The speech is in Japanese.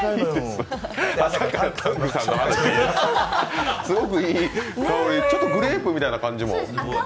すごくいい香り、ちょっとグレープみたいな感じも。